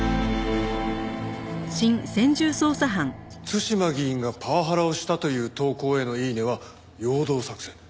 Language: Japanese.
対馬議員がパワハラをしたという投稿へのイイネ！は陽動作戦。